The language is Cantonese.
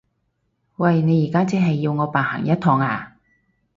喂！你而家即係要我白行一趟呀？